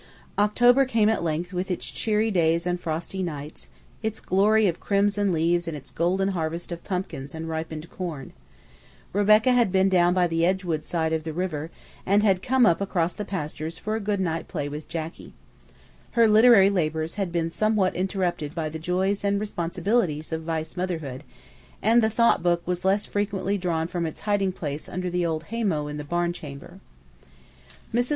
October came at length with its cheery days and frosty nights, its glory of crimson leaves and its golden harvest of pumpkins and ripened corn. Rebecca had been down by the Edgewood side of the river and had come up across the pastures for a good night play with Jacky. Her literary labors had been somewhat interrupted by the joys and responsibilities of vice motherhood, and the thought book was less frequently drawn from its hiding place under the old haymow in the barn chamber. Mrs.